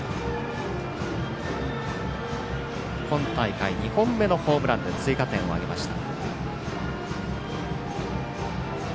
今大会２本目のホームランで追加点を挙げました。